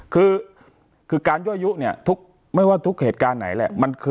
คือการยั่วยุเนี่ยไม่ว่าทุกเหตุการณ์ไหนแหละ